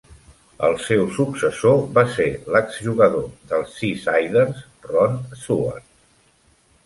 El seu successor va ser l'ex-jugador dels "Seasiders", Ron Suart.